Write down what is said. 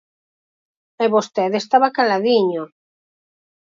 E vostede estaba caladiño.